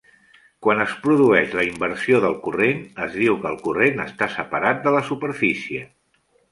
Quan es produeix la inversió del corrent, es diu que el corrent està separat de la superfície.